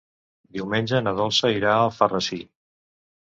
Diumenge na Dolça irà a Alfarrasí.